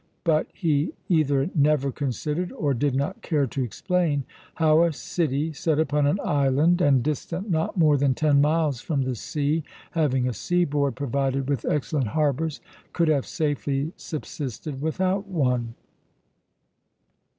But he either never considered, or did not care to explain, how a city, set upon an island and 'distant not more than ten miles from the sea, having a seaboard provided with excellent harbours,' could have safely subsisted without one.